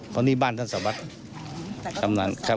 เพราะนี่บ้านท่านทราบาท